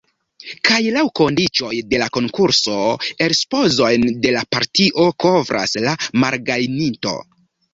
Kaj laŭ kondiĉoj de la konkurso elspezojn de la partio kovras la malgajninto.